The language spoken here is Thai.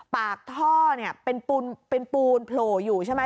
ปากท่อเนี่ยเป็นปูนโผล่อยู่ใช่ไหม